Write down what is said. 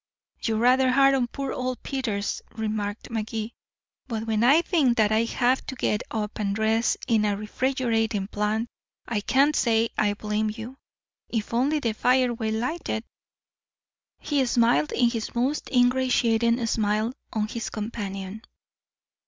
"You're rather hard on poor old Peters," remarked Magee, "but when I think that I have to get up and dress in a refrigerating plant I can't say I blame you. If only the fire were lighted " He smiled his most ingratiating smile on his companion.